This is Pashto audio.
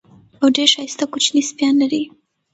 او ډېر ښایسته کوچني سپیان لري.